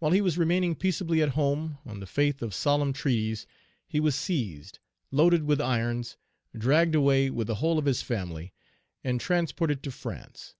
While he was remaining peaceably at home, on the faith of solemn treaties, he was seized, loaded with irons, dragged away with the whole of his family, and transported to France.